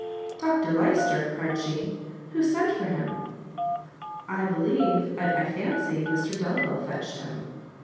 "Dr Lyster?" cried she, "who sent for him?" "I believe I fancy Mr Delvile fetched him."